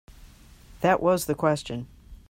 That was the question.